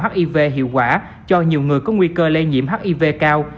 để tạo hiv hiệu quả cho nhiều người có nguy cơ lây nhiễm hiv cao